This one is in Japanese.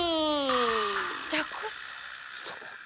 そうか。